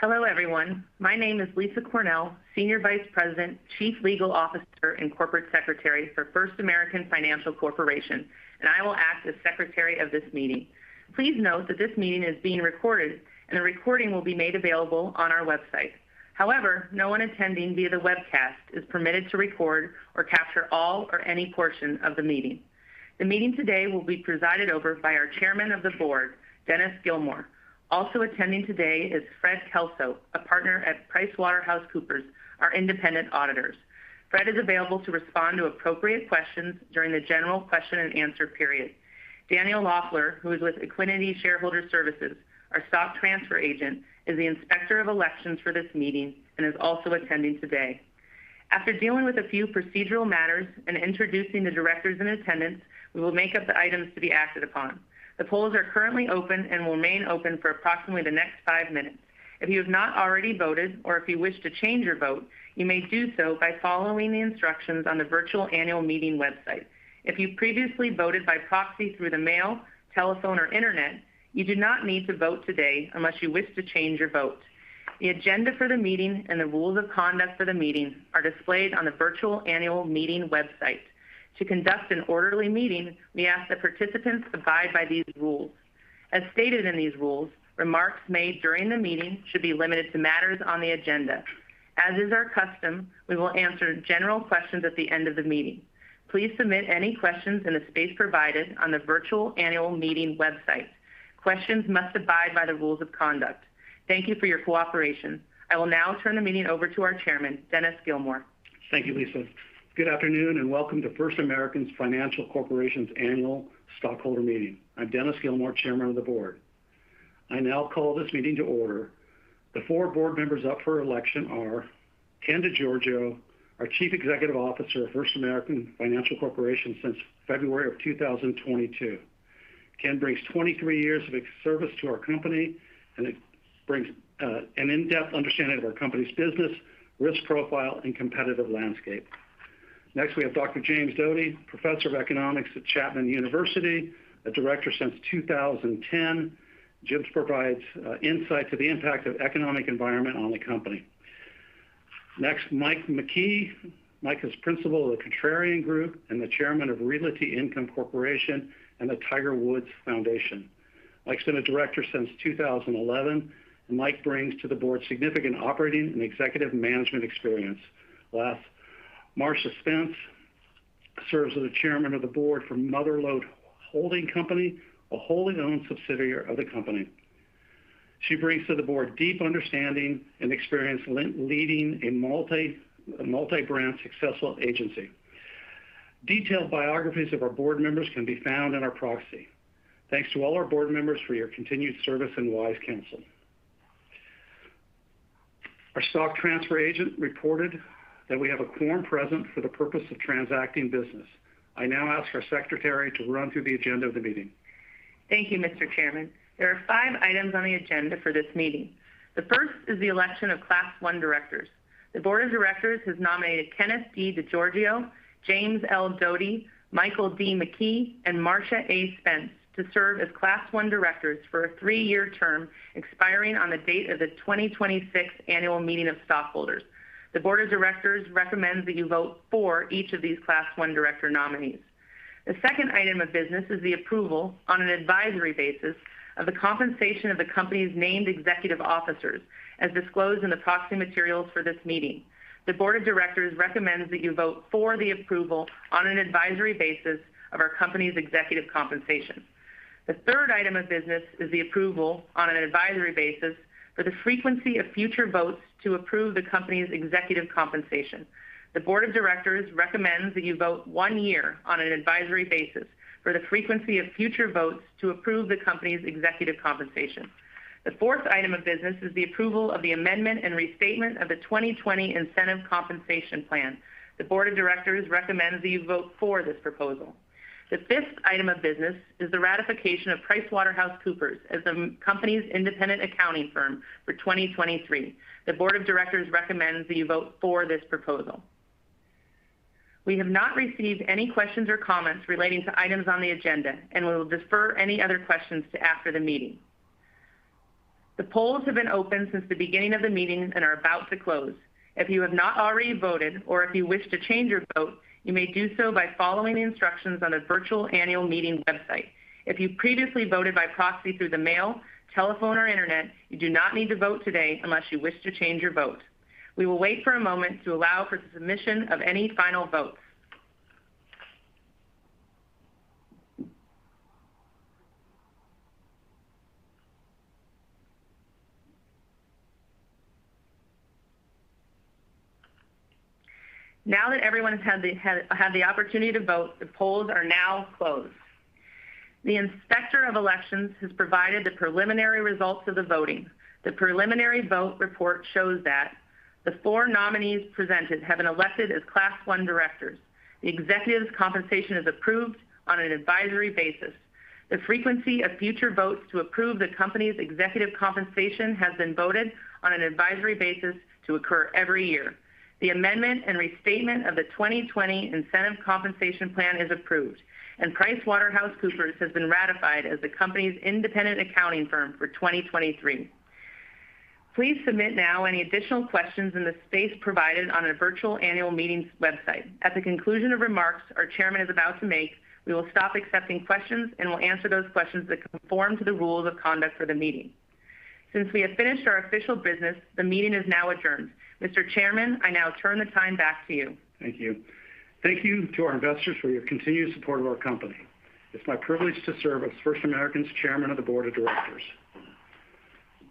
Hello everyone. My name is Lisa Cornell, Senior Vice President, Chief Legal Officer, and Corporate Secretary for First American Financial Corporation, and I will act as Secretary of this meeting. Please note that this meeting is being recorded and a recording will be made available on our website. However, no one attending via the webcast is permitted to record or capture all or any portion of the meeting. The meeting today will be presided over by our Chairman of the Board, Dennis Gilmore. Also attending today is Fred Kelso, a partner at PricewaterhouseCoopers, our independent auditors. Fred is available to respond to appropriate questions during the general question and answer period. Daniel Loeffler, who is with Equiniti Shareholder Services, our stock transfer agent, is the Inspector of Elections for this meeting and is also attending today. After dealing with a few procedural matters and introducing the directors in attendance, we will make up the items to be acted upon. The polls are currently open and will remain open for approximately the next 5 minutes. If you have not already voted or if you wish to change your vote, you may do so by following the instructions on the virtual annual meeting website. If you previously voted by proxy through the mail, telephone or internet, you do not need to vote today unless you wish to change your vote. The agenda for the meeting and the rules of conduct for the meeting are displayed on the virtual annual meeting website. To conduct an orderly meeting, we ask that participants abide by these rules. As stated in these rules, remarks made during the meeting should be limited to matters on the agenda. As is our custom, we will answer general questions at the end of the meeting. Please submit any questions in the space provided on the virtual annual meeting website. Questions must abide by the rules of conduct. Thank you for your cooperation. I will now turn the meeting over to our chairman, Dennis Gilmore. Thank you, Lisa. Good afternoon, and welcome to First American Financial Corporation's annual stockholder meeting. I'm Dennis Gilmore, Chairman of the Board. I now call this meeting to order. The four board members up for election are Ken DeGiorgio, our Chief Executive Officer of First American Financial Corporation since February of 2022. Ken brings 23 years of service to our company, and it brings an in-depth understanding of our company's business, risk profile, and competitive landscape. Next, we have Dr. James Doti, Professor of Economics at Chapman University, a director since 2010. James provides insight to the impact of economic environment on the company. Next, Mike McKee. Mike is Principal of The Contrarian Group and the Chairman of Realty Income Corporation and the Tiger Woods Foundation. Mike's been a director since 2011. Mike brings to the board significant operating and executive management experience. Last, Marsha Spence serves as the Chairman of the Board for Mother Lode Holding Company, a wholly-owned subsidiary of the company. She brings to the board deep understanding and experience leading a multi- brand successful agency. Detailed biographies of our board members can be found in our proxy. Thanks to all our board members for your continued service and wise counsel. Our stock transfer agent reported that we have a quorum present for the purpose of transacting business. I now ask our secretary to run through the agenda of the meeting. Thank you, Mr. Chairman. There are five items on the agenda for this meeting. The first is the election of Class I directors. The board of directors has nominated Kenneth D. DeGiorgio, James L. Doti, Michael D. McKee, and Marsha A. Spence to serve as Class I directors for a three-year term expiring on the date of the 2026 Annual Meeting of Stockholders. The board of directors recommends that you vote for each of these Class I director nominees. The second item of business is the approval on an advisory basis of the compensation of the company's named executive officers as disclosed in the proxy materials for this meeting. The board of directors recommends that you vote for the approval on an advisory basis of our company's executive compensation. The third item of business is the approval on an advisory basis for the frequency of future votes to approve the company's executive compensation. The board of directors recommends that you vote one year on an advisory basis for the frequency of future votes to approve the company's executive compensation. The fourth item of business is the approval of the amendment and restatement of the 2020 Incentive Compensation Plan. The board of directors recommends that you vote for this proposal. The fifth item of business is the ratification of PricewaterhouseCoopers as the company's independent accounting firm for 2023. The board of directors recommends that you vote for this proposal. We have not received any questions or comments relating to items on the agenda, and we will defer any other questions to after the meeting. The polls have been open since the beginning of the meeting and are about to close. If you have not already voted or if you wish to change your vote, you may do so by following the instructions on the virtual annual meeting website. If you previously voted by proxy through the mail, telephone or internet, you do not need to vote today unless you wish to change your vote. We will wait for a moment to allow for the submission of any final votes. Now that everyone's had the opportunity to vote, the polls are now closed. The Inspector of Elections has provided the preliminary results of the voting. The preliminary vote report shows that the four nominees presented have been elected as Class I directors. The executive's compensation is approved on an advisory basis. The frequency of future votes to approve the company's executive compensation has been voted on an advisory basis to occur every year. The amendment and restatement of the 2020 Incentive Compensation Plan is approved, and PricewaterhouseCoopers has been ratified as the company's independent accounting firm for 2023. Please submit now any additional questions in the space provided on our virtual annual meetings website. At the conclusion of remarks our Chairman is about to make, we will stop accepting questions and we'll answer those questions that conform to the rules of conduct for the meeting. Since we have finished our official business, the meeting is now adjourned. Mr. Chairman, I now turn the time back to you. Thank you. Thank you to our investors for your continued support of our company. It's my privilege to serve as First American's Chairman of the Board of Directors.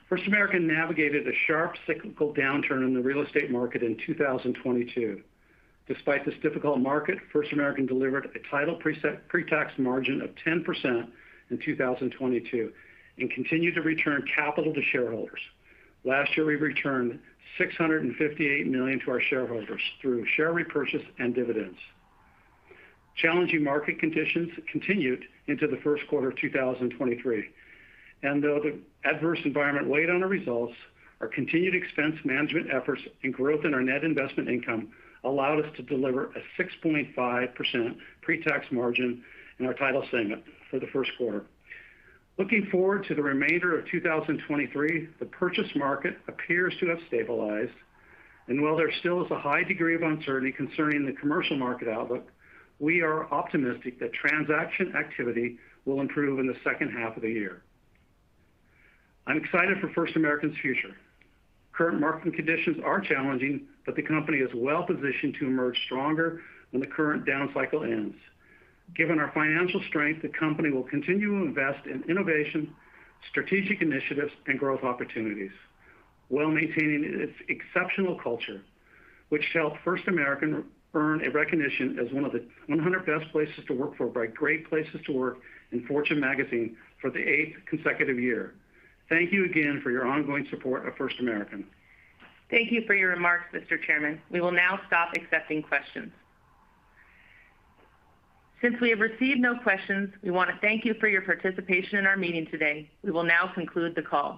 First American navigated a sharp cyclical downturn in the real estate market in 2022. Despite this difficult market, First American delivered a title pre-tax margin of 10% in 2022 and continued to return capital to shareholders. Last year, we returned $658 million to our shareholders through share repurchase and dividends. Challenging market conditions continued into the first quarter of 2023. Though the adverse environment weighed on our results, our continued expense management efforts and growth in our net investment income allowed us to deliver a 6.5% pre-tax margin in our title segment for the first quarter. Looking forward to the remainder of 2023, the purchase market appears to have stabilized. While there still is a high degree of uncertainty concerning the commercial market outlook, we are optimistic that transaction activity will improve in the second half of the year. I'm excited for First American's future. Current market conditions are challenging, but the company is well-positioned to emerge stronger when the current down cycle ends. Given our financial strength, the company will continue to invest in innovation, strategic initiatives, and growth opportunities while maintaining its exceptional culture, which helped First American earn a recognition as one of the 100 best places to work for by Great Place To Work in Fortune Magazine for the 8th consecutive year. Thank you again for your ongoing support of First American. Thank you for your remarks, Mr. Chairman. We will now stop accepting questions. Since we have received no questions, we wanna thank you for your participation in our meeting today. We will now conclude the call.